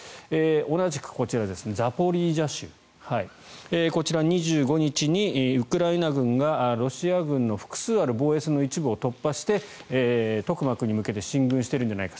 同じく、ザポリージャ州こちら２５日にウクライナ軍がロシア軍の複数ある防衛線の一部を突破してトクマクに向けて進軍しているんじゃないか。